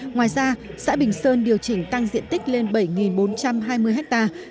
ngoài ra xã bình sơn điều chỉnh tăng diện tích lên bảy bốn trăm hai mươi hectare